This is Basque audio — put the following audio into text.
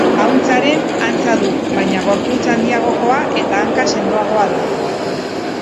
Ahuntzaren antza du, baina gorputz handiagokoa eta hanka-sendoagoa da.